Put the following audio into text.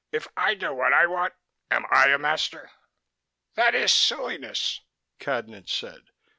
"If I do what I want, am I a master?" "That is silliness," Cadnan said.